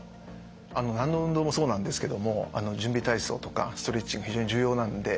何の運動もそうなんですけども準備体操とかストレッチが非常に重要なので。